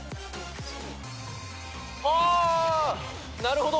なるほど。